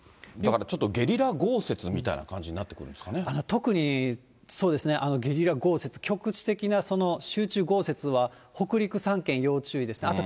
だからちょっとゲリラ豪雪みたいな感じになってくるんですか特にそうですね、ゲリラ豪雪、局地的なその集中豪雪は北陸３県、要注意ですね。